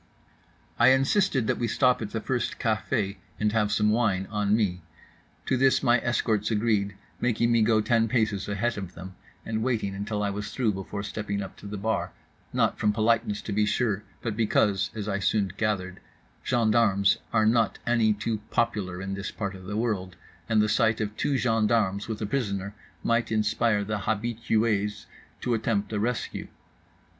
I insisted that we stop at the first café and have some wine on me. To this my escorts agreed, making me go ten paces ahead of them, and waiting until I was through before stepping up to the bar—not from politeness, to be sure, but because (as I soon gathered) gendarmes were not any too popular in this part of the world, and the sight of two gendarmes with a prisoner might inspire the habitués to attempt a rescue.